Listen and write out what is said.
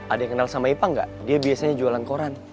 ada yang kenal sama ipang nggak dia biasanya jualan koran